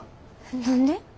何で？